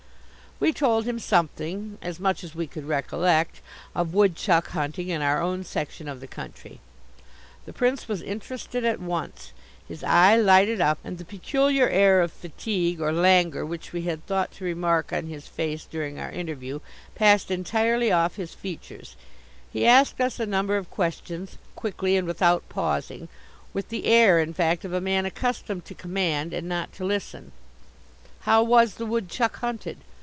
We told him something as much as we could recollect of woodchuck hunting in our own section of the country. The Prince was interested at once. His eye lighted up, and the peculiar air of fatigue, or languor, which we had thought to remark on his face during our interview, passed entirely off his features. He asked us a number of questions, quickly and without pausing, with the air, in fact, of a man accustomed to command and not to listen. How was the woodchuck hunted?